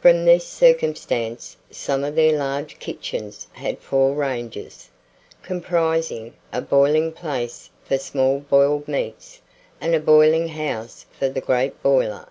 From this circumstance, some of their large kitchens had four ranges, comprising a boiling place for small boiled meats, and a boiling house for the great boiler.